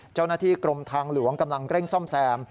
เจ้าหน้าที่กรมทางหลวงกำลังเร่งซ่อมแซม